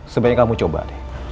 sebaiknya kamu cintakan aku